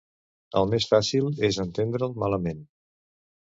El més fàcil és entendre'l malament.